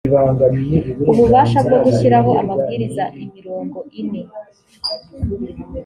ububasha bwo gushyiraho amabwiriza imirongo ine